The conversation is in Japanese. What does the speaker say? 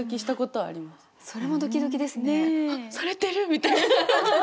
されてる！みたいな。